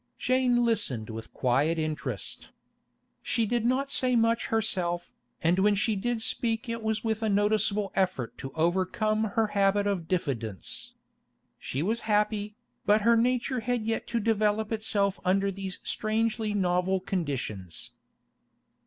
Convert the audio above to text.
Jane listened with quiet interest. She did not say much herself, and when she did speak it was with a noticeable effort to overcome her habit of diffidence. She was happy, but her nature had yet to develop itself under these strangely novel conditions.